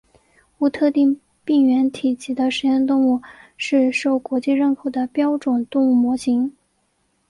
无特定病原体级的实验动物是受国际认可的标准动物模型。